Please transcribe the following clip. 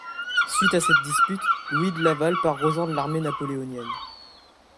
Suite à cette dispute, Louis de Laval part rejoindre l'armée napoléonienne.